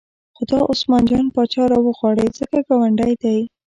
خو دا عثمان جان پاچا راوغواړئ ځکه ګاونډی دی.